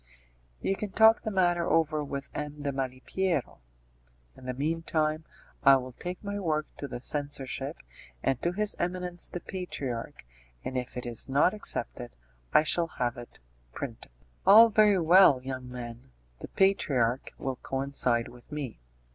"You can talk the matter over with M. de Malipiero. In the meantime I will take my work to the censorship, and to His Eminence the Patriarch, and if it is not accepted I shall have it printed." "All very well, young man. The patriarch will coincide with me."